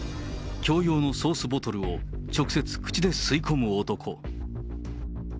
共用のソースボトルを直接口で吸いこむ男。